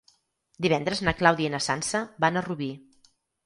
Divendres na Clàudia i na Sança van a Rubí.